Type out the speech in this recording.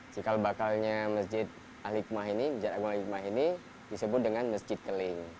jikal bakalnya masjid agung al hikmah ini disebut dengan masjid keling